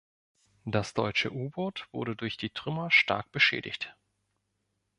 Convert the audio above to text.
Das deutsche U-Boot wurde durch die Trümmer stark beschädigt.